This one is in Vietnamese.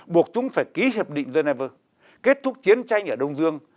buộc chúng phải ký hiệp định geneva kết thúc chiến tranh ở đông dương